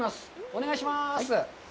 お願いします。